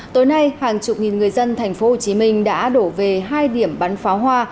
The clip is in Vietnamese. tối nay hàng chục nghìn người dân thành phố hồ chí minh đã đổ về hai điểm bắn pháo hoa